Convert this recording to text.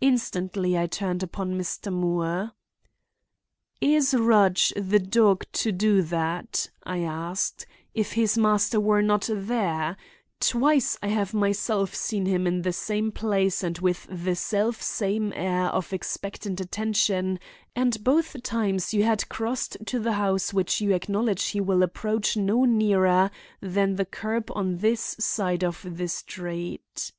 Instantly I turned upon Mr. Moore. "Is Rudge the dog to do that," I asked, "if his master were not there? Twice have I myself seen him in the self same place and with the self same air of expectant attention, and both times you had crossed to the house which you acknowledge he will approach no nearer than the curb on this side of the street."